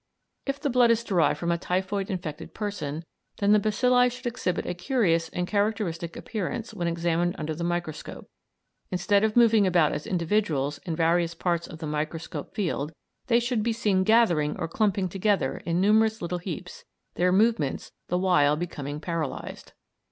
If the blood is derived from a typhoid infected person, then the bacilli should exhibit a curious and characteristic appearance when examined under the microscope. Instead of moving about as individuals in various parts of the microscopic field, they should be seen gathering or clumping together in numerous small heaps, their movements the while becoming paralysed.